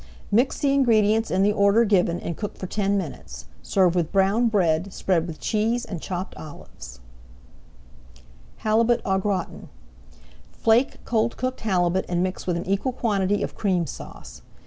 Mix the ingredients in the order given and cook for ten minutes. Serve with brown bread spread with cheese and chopped olives. HALIBUT AU GRATIN Flake cold cooked halibut and mix with an equal quantity of Cream Sauce.